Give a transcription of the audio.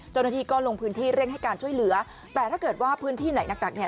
เจ้าหน้าที่ก็ลงพื้นที่เร่งให้การช่วยเหลือแต่ถ้าเกิดว่าพื้นที่ไหนหนักหนักเนี่ย